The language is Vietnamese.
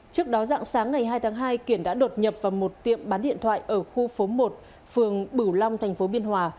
trước đó dạng sáng ngày hai tháng hai kiển đã đột nhập vào một tiệm bán điện thoại ở khu phố một phường bửu long thành phố biên hòa